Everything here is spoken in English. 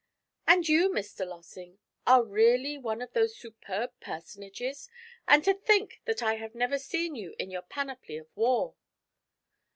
'And you, Mr. Lossing, are really one of those superb personages! and to think that I have never seen you in your panoply of war.'